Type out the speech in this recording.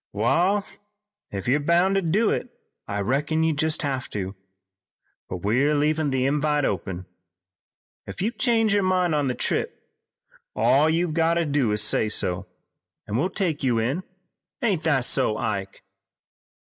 "Wa'al, if you're boun' to do it I reckon you jest have to, but we're leavin' the invite open. Ef you change your mind on the trip all you've got to do is to say so, an' we'll take you in, ain't that so, Ike?"